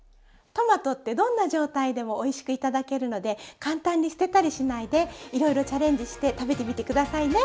トマトってどんな状態でもおいしく頂けるので簡単に捨てたりしないでいろいろチャレンジして食べてみて下さいね。